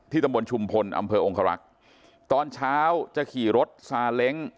ตำบลชุมพลอำเภอองครักษ์ตอนเช้าจะขี่รถซาเล้ง